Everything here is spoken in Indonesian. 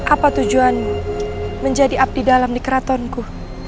apa tujuan menjadi abdi dalam di keratonku